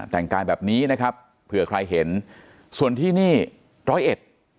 แต่งกายแบบนี้นะครับเผื่อใครเห็นส่วนที่นี่ร้อยเอ็ด